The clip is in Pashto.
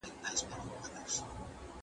خدای د متقیانو څخه خوشاله کیږي.